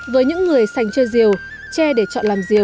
với những người rìu tôi đã tìm hiểu về cách làm ra một con rìu